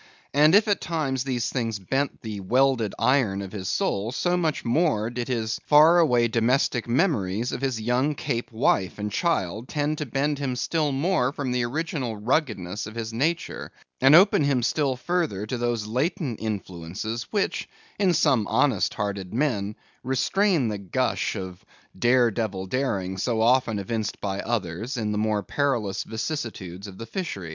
And if at times these things bent the welded iron of his soul, much more did his far away domestic memories of his young Cape wife and child, tend to bend him still more from the original ruggedness of his nature, and open him still further to those latent influences which, in some honest hearted men, restrain the gush of dare devil daring, so often evinced by others in the more perilous vicissitudes of the fishery.